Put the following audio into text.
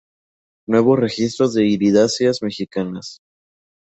Nuevos registros de iridáceas mexicanas.